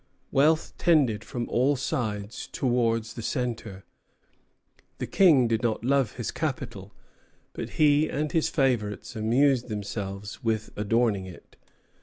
Wealth tended from all sides towards the centre. The King did not love his capital; but he and his favorites amused themselves with adorning it.